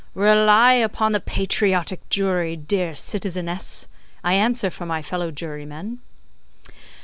"Rely upon the patriotic Jury, dear citizeness. I answer for my fellow Jurymen."